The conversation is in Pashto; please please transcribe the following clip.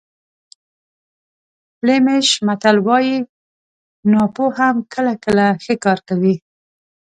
فلیمیش متل وایي ناپوه هم کله کله ښه کار کوي.